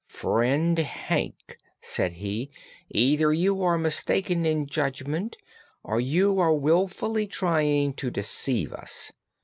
"Friend Hank," said he, "either you are mistaken in judgment or you are willfully trying to deceive us.